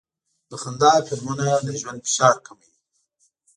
د خندا فلمونه د ژوند فشار کموي.